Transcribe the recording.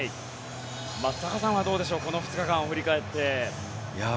松坂さんはどうでしょうこの２日間を振り返って。